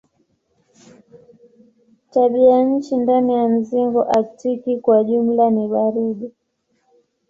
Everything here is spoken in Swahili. Tabianchi ndani ya mzingo aktiki kwa jumla ni baridi.